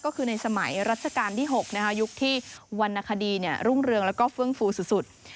ก็คือในสมัยรัชกาลที่๖ยุคที่วรรณคดีรุ่งเรืองแล้วก็เฟื่องฟูสุด